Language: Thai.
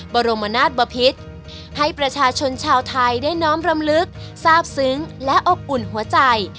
บรมนาศบพิษให้ประชาชนชาวไทยได้น้อมรำลึกทราบซึ้งและอบอุ่นหัวใจ